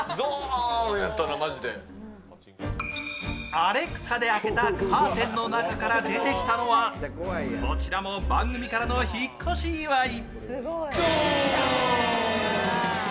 アレクサで開けたカーテンの中から出てきたのは、こちらも番組からの引っ越し祝い。